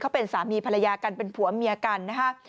เขาเป็นสามีภรรยากันเป็นผัวเมียกันนะฮะ